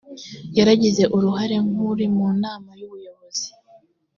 yaragize uruhare nk uri mu nama y ubuyobozi